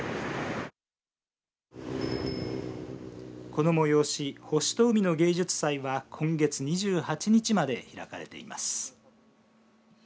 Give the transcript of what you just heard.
この催し星と海の芸術祭は今月２８日まで開かれています。